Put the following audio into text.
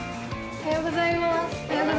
おはようございます